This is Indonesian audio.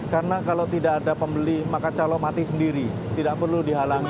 karena kalau tidak ada pembeli maka calok mati sendiri tidak perlu dihalangi